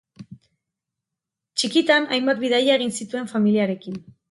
Txikitan hainbat bidaia egin zituen familiarekin.